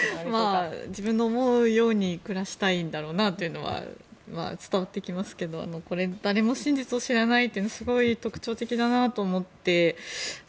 自分の思うように暮らしたいんだろうなというのは伝わってきますけどこれ、誰も真実を知らないってすごい特徴的だなと思って。